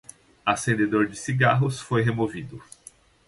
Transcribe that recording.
Acendedor de cigarros foi removido